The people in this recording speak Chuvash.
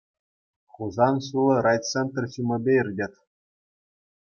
Хусан ҫулӗ райцентр ҫумӗпе иртет.